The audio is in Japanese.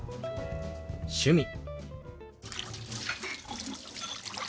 「趣味」。